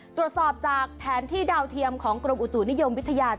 ตรวจสอบจากแผนที่ดาวเทียมของกรมอุตุนิยมวิทยา